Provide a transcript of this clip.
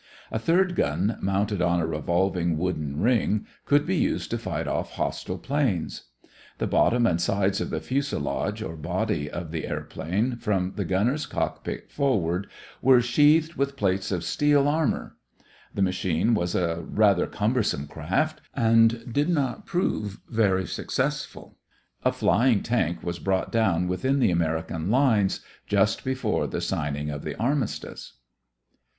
A third gun mounted on a revolving wooden ring could be used to fight off hostile planes. The bottom and sides of the fuselage or body of the airplane from the gunner's cockpit forward were sheathed with plates of steel armor. The machine was a rather cumbersome craft and did not prove very successful. A flying tank was brought down within the American lines just before the signing of the armistice.